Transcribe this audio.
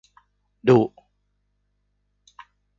ดุ